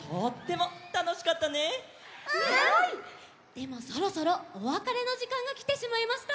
でもそろそろおわかれのじかんがきてしまいました。